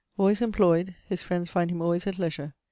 Always employed, his friends find him always at leisure.